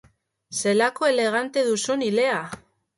Zelako elegante duzun ilea!